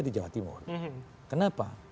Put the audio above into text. di jawa timur kenapa